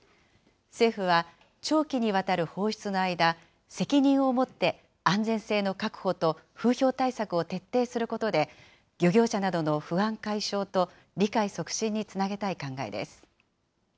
政府は長期にわたる放出の間、責任を持って、安全性の確保と、風評対策を徹底することで、漁業者などの不安解消と理解促進につなげたい考えです。